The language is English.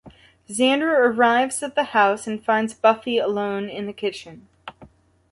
Xander arrives at the house and finds Buffy alone in the kitchen.